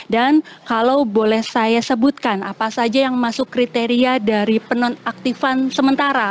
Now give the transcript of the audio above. dan kalau boleh saya sebutkan apa saja yang masuk kriteria dari penonaktifan sementara